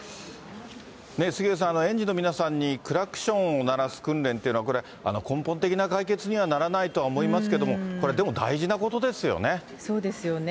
杉上さん、園児の皆さんにクラクションを鳴らす訓練っていうのは、これ、根本的な解決にはならないとは思いますけれども、でも、そうですよね。